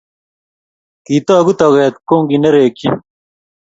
Kitaku toket kongingerichi